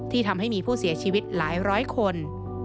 ทำให้มีผู้เสียชีวิตหลายร้อยคน